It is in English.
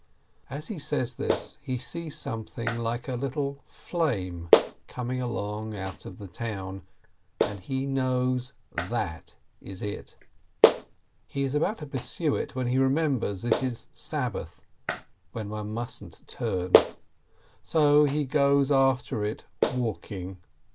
As he says this, he sees something like a little flame coming along out of the town, and he knows, That is it ! He is about to pursue it, when he remembers it is Sab bath, when one mustn't turn. So he goes after it walk ing.